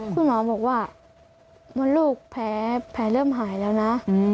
คุณหมอบอกว่ามดลูกแผลเริ่มหายแล้วนะ